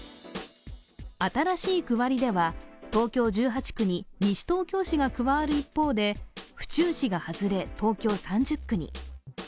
新しい区割りでは東京１８区に西東京市が加わる一方で、府中市が外れ東京３０区に。